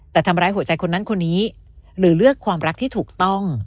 แต่ทำร้ายหัวใจคนนั้นคนนี้หรือเลือกความรักที่ถูกต้อง